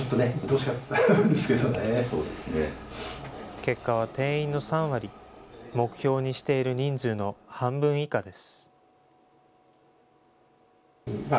結果は定員の３割、目標にしている人数の半分以下です。